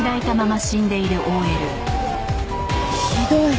ひどい。